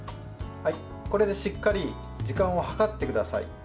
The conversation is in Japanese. これでしっかり時間を計ってください。